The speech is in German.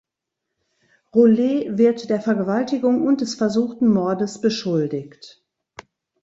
Roulet wird der Vergewaltigung und des versuchten Mordes beschuldigt.